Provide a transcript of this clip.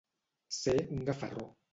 Ser un gafarró.